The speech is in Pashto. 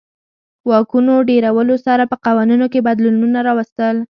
واکونو ډېرولو سره په قوانینو کې بدلونونه راوستل.